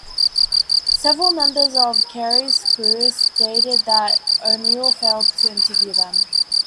Several members of Kerry's crew stated that O'Neill failed to interview them.